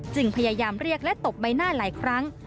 พยายามเรียกและตบใบหน้าหลายครั้ง